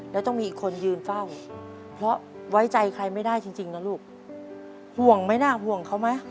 แล้วต้องมีอีกคนยืนเฝ้าเพราะไว้ใจใครไม่ได้จริงนะลูกห่วงไหมน่ะห่วงเขาไหม